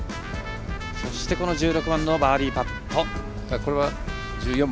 そして１４番のバーディーパット。